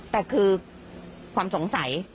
แต่คือความสงสัย